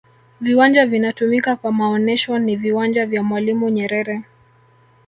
viwanja vinatumika kwa maonesho ni viwanja vya mwalimu nyerere